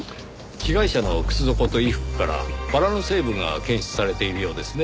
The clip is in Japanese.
被害者の靴底と衣服からバラの成分が検出されているようですね。